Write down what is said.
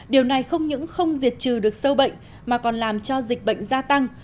thuốc bảo vệ thực vật cũng không diệt trừ được sâu bệnh mà còn làm cho dịch bệnh gia tăng